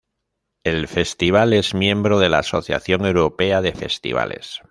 El Festival es miembro de la Asociación Europea de Festivales.